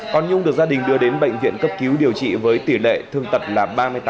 còn nhung được gia đình đưa đến bệnh viện cấp cứu điều trị với tỷ lệ thương tật là ba mươi tám